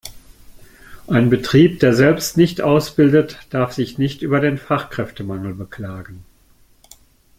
Ein Betrieb, der selbst nicht ausbildet, darf sich nicht über den Fachkräftemangel beklagen.